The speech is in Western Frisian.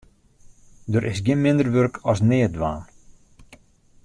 Der is gjin minder wurk as neatdwaan.